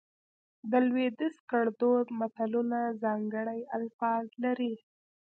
د لودیز ګړدود متلونه ځانګړي الفاظ لري